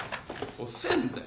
遅えんだよ。